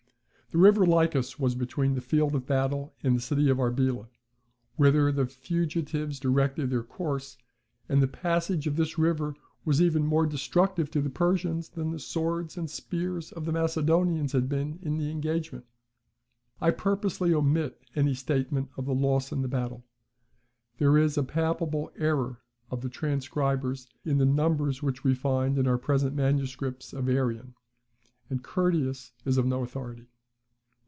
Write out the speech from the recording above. The river Lycus was between the field of battle and the city of Arbela, whither the fugitives directed their course, and the passage of this river was even more destructive to the Persians than the swords and spears of the Macedonians had been in the engagement. [I purposely omit any statement of the loss in the battle. There is a palpable error of the transcribers in the numbers which we find in our present manuscripts of Arrian; and Curtius is of no authority.